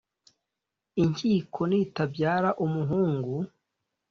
inkiko nitabyara umugaru